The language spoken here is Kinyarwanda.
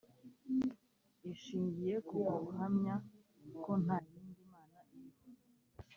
ishingiye ku guhamya ko nta yindi Mana iriho